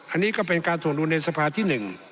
อันนี้ก็เป็นการถ่วงดุลในสภาที่๑